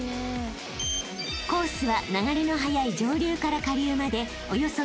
［コースは流れの速い上流から下流までおよそ２００ｍ］